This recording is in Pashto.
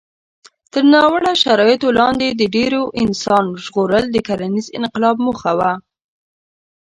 تر ناوړه شرایطو لاندې د ډېرو انسان ژغورل د کرنيز انقلاب موخه وه.